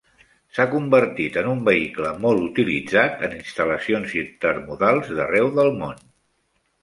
S'ha convertit en un vehicle molt utilitzat en instal·lacions intermodals d'arreu del món.